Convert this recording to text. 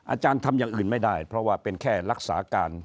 อาจารย์ทำอย่างอื่นไม่ได้เพราะว่าเป็นแค่รักษาการ